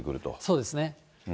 そうですね。